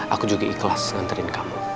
aku juga ikhlas nganterin kamu